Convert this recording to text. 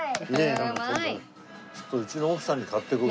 ちょっとうちの奥さんに買っていこう。